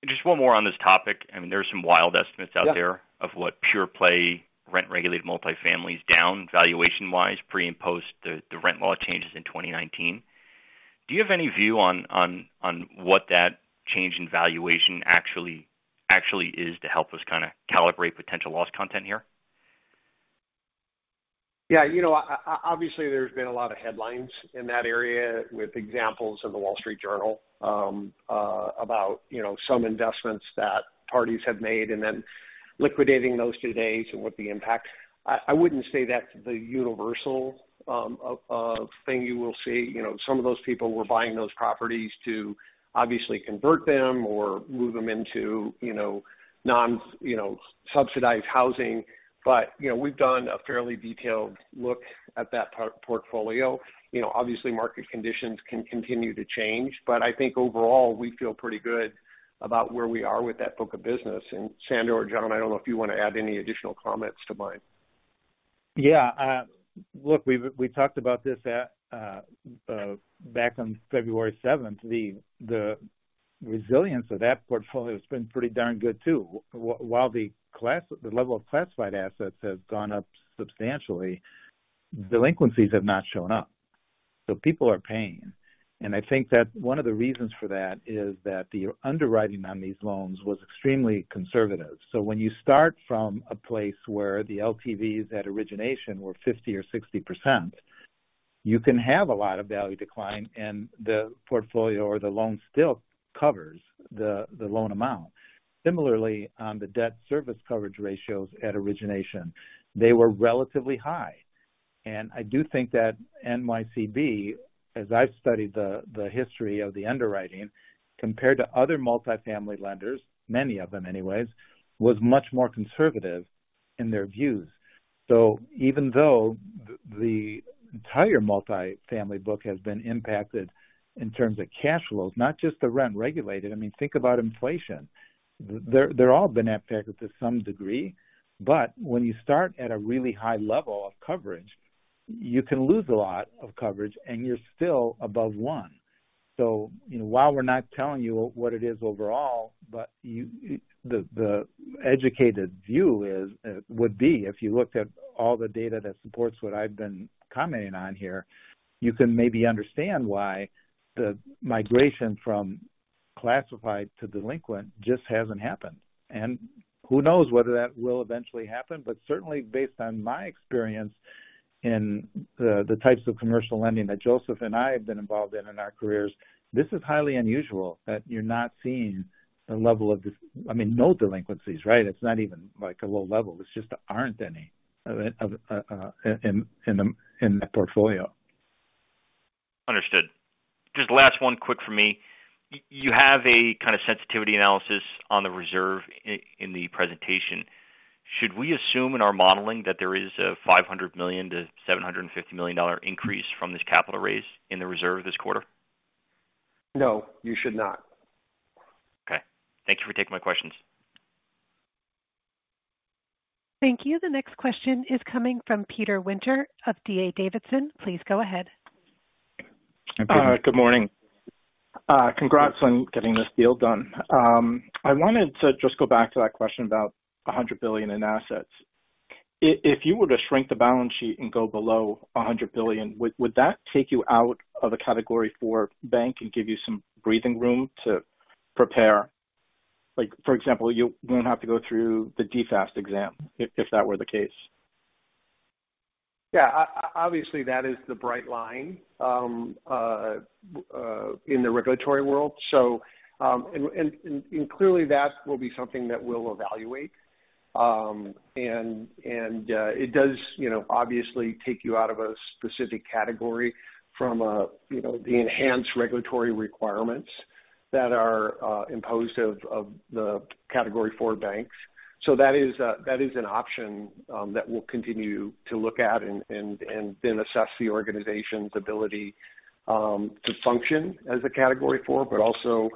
Just one more on this topic, and there are some wild estimates out there- Yeah. - of what pure play rent-regulated multifamily is down, valuation-wise, pre- and post the rent law changes in 2019. Do you have any view on what that change in valuation actually is to help us kinda calibrate potential loss content here? Yeah, you know, obviously, there's been a lot of headlines in that area with examples in the Wall Street Journal about, you know, some investments that parties have made and then liquidating those today and what the impact. I wouldn't say that's the universal thing you will see. You know, some of those people were buying those properties to obviously convert them or move them into, you know, non, you know, subsidized housing. But, you know, we've done a fairly detailed look at that portfolio. You know, obviously, market conditions can continue to change, but I think overall, we feel pretty good about where we are with that book of business. And Sandro or John, I don't know if you want to add any additional comments to mine. Yeah, look, we've talked about this at back on February seventh. The resilience of that portfolio has been pretty darn good, too. While the level of classified assets has gone up substantially, delinquencies have not shown up, so people are paying. And I think that one of the reasons for that is that the underwriting on these loans was extremely conservative. So when you start from a place where the LTVs at origination were 50% or 60%, you can have a lot of value decline, and the portfolio or the loan still covers the loan amount. Similarly, on the debt service coverage ratios at origination, they were relatively high. And I do think that NYCB, as I've studied the history of the underwriting, compared to other multifamily lenders, many of them anyways, was much more conservative in their views. So even though the entire multifamily book has been impacted in terms of cash flows, not just the rent-regulated, I mean, think about inflation. They're all been impacted to some degree, but when you start at a really high level of coverage, you can lose a lot of coverage, and you're still above one. So, you know, while we're not telling you what it is overall, but you, the educated view is would be if you looked at all the data that supports what I've been commenting on here, you can maybe understand why the migration from classified to delinquent just hasn't happened. Who knows whether that will eventually happen, but certainly based on my experience in the types of commercial lending that Joseph and I have been involved in our careers, this is highly unusual that you're not seeing a level of... I mean, no delinquencies, right? It's not even like a low level. It's just there aren't any of it in the portfolio. Understood. Just last one quick for me. You have a kind of sensitivity analysis on the reserve in the presentation. Should we assume in our modeling that there is a $500 million-$750 million dollar increase from this capital raise in the reserve this quarter? No, you should not. Okay. Thank you for taking my questions. Thank you. The next question is coming from Peter Winter of D.A. Davidson. Please go ahead. Good morning. Congrats on getting this deal done. I wanted to just go back to that question about $100 billion in assets. If you were to shrink the balance sheet and go below $100 billion, would that take you out of a Category 4 bank and give you some breathing room to prepare? Like, for example, you wouldn't have to go through the DFAST exam if that were the case. Yeah, obviously, that is the bright line in the regulatory world. So, clearly, that will be something that we'll evaluate. And, it does, you know, obviously take you out of a specific category from, you know, the enhanced regulatory requirements that are imposed on the Category IV banks. So that is an option that we'll continue to look at and then assess the organization's ability to function as a Category IV. But also,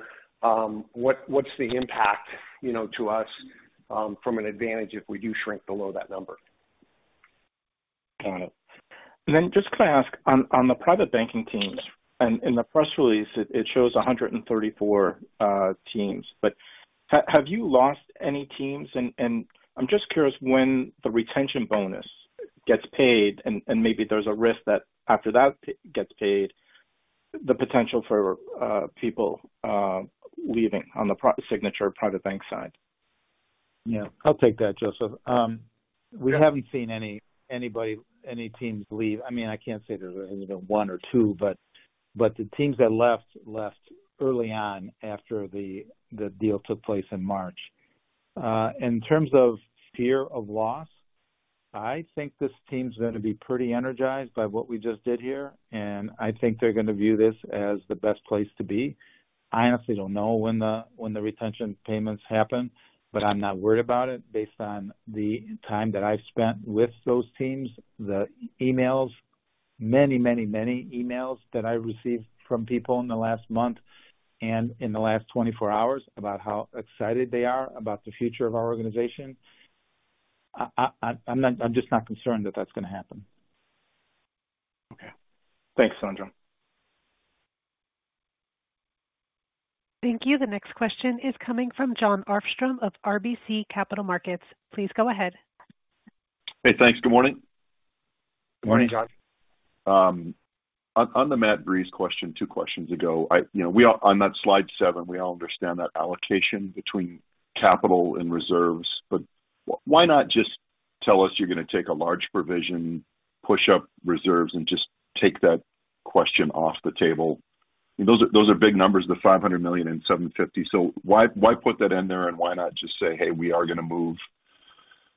what's the impact, you know, to us, from an advantage if we do shrink below that number? Got it. And then just can I ask on the private banking teams, and in the press release, it shows 134 teams. But have you lost any teams? And I'm just curious when the retention bonus gets paid, and maybe there's a risk that after that gets paid, the potential for people leaving on the Signature Private Bank side. Yeah, I'll take that, Joseph. We haven't seen anybody, any teams leave. I mean, I can't say there's one or two, but the teams that left, left early on after the deal took place in March. In terms of fear of loss, I think this team's gonna be pretty energized by what we just did here, and I think they're gonna view this as the best place to be. I honestly don't know when the retention payments happen, but I'm not worried about it based on the time that I've spent with those teams. The emails, many, many, many emails that I received from people in the last month and in the last 24 hours about how excited they are about the future of our organization. I'm just not concerned that that's gonna happen. Okay. Thanks, Sandro. Thank you. The next question is coming from Jon Arfstrom of RBC Capital Markets. Please go ahead. Hey, thanks. Good morning. Morning, Jon. On the Matt Breese question two questions ago, you know, we all understand that allocation between capital and reserves on that slide seven, but why not just tell us you're gonna take a large provision, push up reserves, and just take that question off the table? Those are big numbers, the $500 million and $750 million. So why put that in there? And why not just say, "Hey, we are gonna move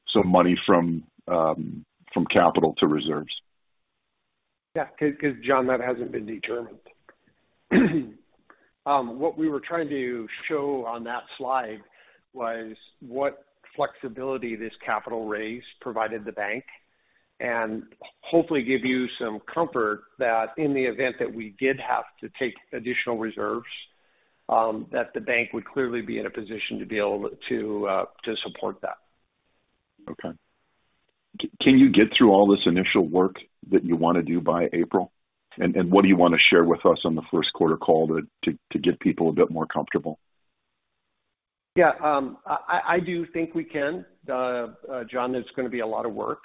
some money from capital to reserves? Yeah. Because, John, that hasn't been determined. What we were trying to show on that slide was what flexibility this capital raise provided the bank, and hopefully give you some comfort that in the event that we did have to take additional reserves, that the bank would clearly be in a position to be able to, to support that. Okay. Can you get through all this initial work that you want to do by April? And what do you want to share with us on the first quarter call to get people a bit more comfortable? Yeah, I do think we can. Jon, that's gonna be a lot of work.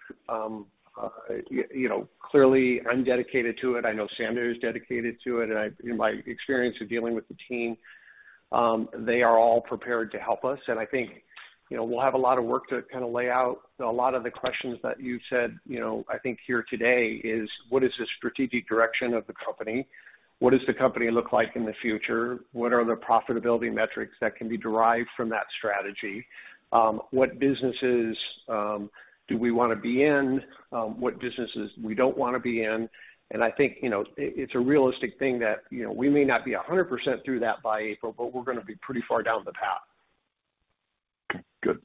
You know, clearly, I'm dedicated to it. I know Sandro is dedicated to it, and in my experience of dealing with the team, they are all prepared to help us, and I think, you know, we'll have a lot of work to kind of lay out. A lot of the questions that you've said, you know, I think here today is: What is the strategic direction of the company? What does the company look like in the future? What are the profitability metrics that can be derived from that strategy? What businesses do we want to be in? What businesses we don't want to be in? I think, you know, it's a realistic thing that, you know, we may not be 100% through that by April, but we're gonna be pretty far down the path. Good.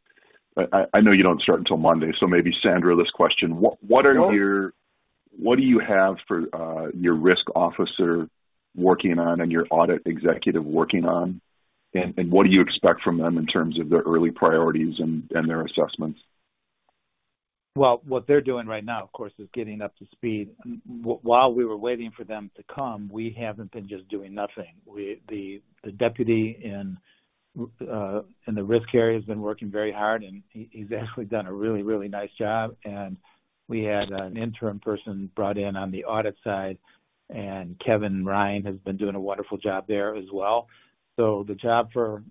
I know you don't start until Monday, so maybe Sandro, this question. Sure. What do you have for your risk officer working on and your audit executive working on? And what do you expect from them in terms of their early priorities and their assessments? Well, what they're doing right now, of course, is getting up to speed. While we were waiting for them to come, we haven't been just doing nothing. We, the deputy in the risk area has been working very hard, and he, he's actually done a really, really nice job. And we had an interim person brought in on the audit side, and Kevin Ryan has been doing a wonderful job there as well. So the job for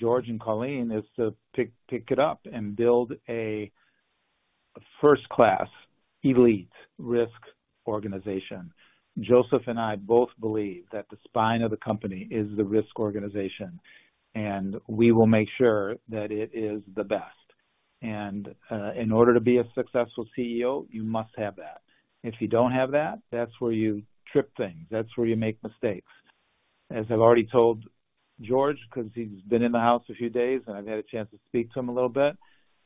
George and Colleen is to pick it up and build a first-class, elite risk organization. Joseph and I both believe that the spine of the company is the risk organization, and we will make sure that it is the best. And in order to be a successful CEO, you must have that. If you don't have that, that's where you trip things. That's where you make mistakes. As I've already told George, because he's been in the house a few days, and I've had a chance to speak to him a little bit.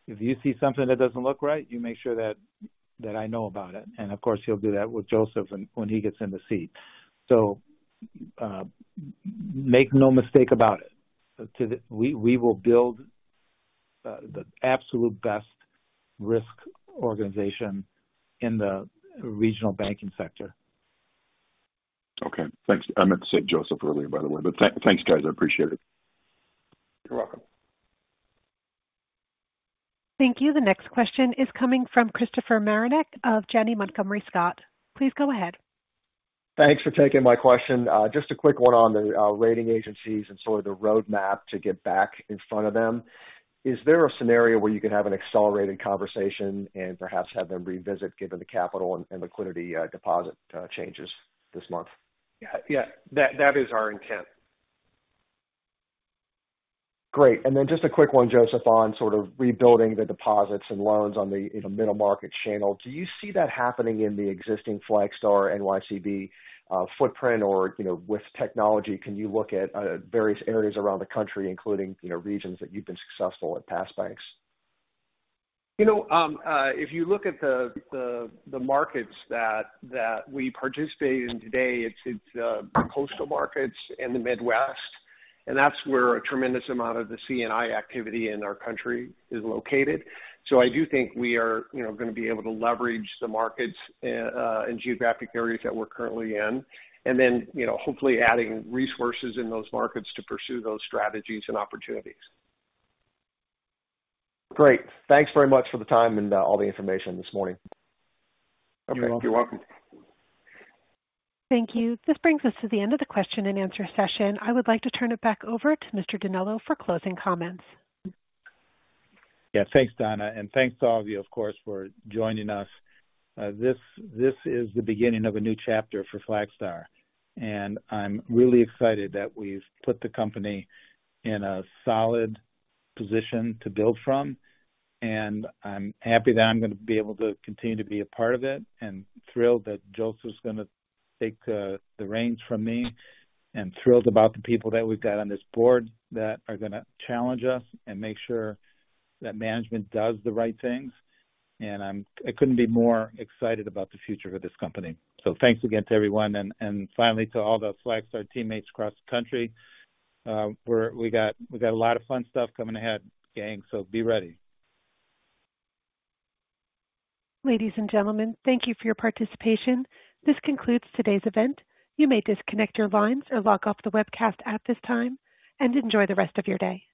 If you see something that doesn't look right, you make sure that I know about it. And of course, he'll do that with Joseph when he gets in the seat. So, make no mistake about it. We will build the absolute best risk organization in the regional banking sector. Okay, thanks. I meant to say Joseph earlier, by the way, but thanks, guys. I appreciate it. You're welcome. Thank you. The next question is coming from Christopher Marinac of Janney Montgomery Scott. Please go ahead. Thanks for taking my question. Just a quick one on the rating agencies and sort of the roadmap to get back in front of them. Is there a scenario where you can have an accelerated conversation and perhaps have them revisit, given the capital and liquidity deposit changes this month? Yeah. Yeah, that, that is our intent. Great. And then just a quick one, Joseph, on sort of rebuilding the deposits and loans on the, in the middle market channel. Do you see that happening in the existing Flagstar NYCB footprint, or, you know, with technology, can you look at various areas around the country, including, you know, regions that you've been successful at past banks? You know, if you look at the markets that we participate in today, it's coastal markets and the Midwest, and that's where a tremendous amount of the C&I activity in our country is located. So I do think we are, you know, gonna be able to leverage the markets and geographic areas that we're currently in, and then, you know, hopefully adding resources in those markets to pursue those strategies and opportunities. Great. Thanks very much for the time and all the information this morning. Okay. You're welcome. Thank you. This brings us to the end of the question and answer session. I would like to turn it back over to Mr. DiNello for closing comments. Yeah. Thanks, Donna, and thanks to all of you, of course, for joining us. This is the beginning of a new chapter for Flagstar, and I'm really excited that we've put the company in a solid position to build from. And I'm happy that I'm gonna be able to continue to be a part of it, and thrilled that Joseph is gonna take the reins from me, and thrilled about the people that we've got on this board that are gonna challenge us and make sure that management does the right things. And I'm—I couldn't be more excited about the future of this company. So thanks again to everyone and, and finally, to all the Flagstar teammates across the country, we got a lot of fun stuff coming ahead, gang, so be ready. Ladies and gentlemen, thank you for your participation. This concludes today's event. You may disconnect your lines or log off the webcast at this time, and enjoy the rest of your day.